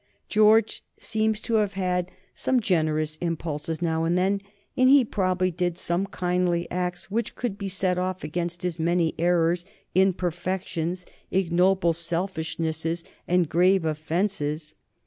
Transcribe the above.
George seems to have had some generous impulses now and then, and he probably did some kindly acts which could be set off against his many errors, imperfections, ignoble selfishnesses, and grave offences.